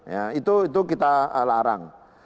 ya itu kita larang